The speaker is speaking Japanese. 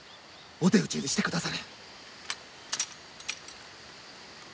お手討ちにしてくだされ！